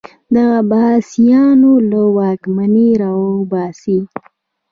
د عباسیانو له واکمني راوباسي